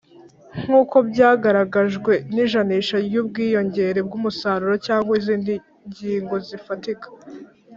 nk'uko byagaragajwe n'ijanisha ry'ubwiyongere bw'umusaruro cyangwa izindi ngingo zifatika.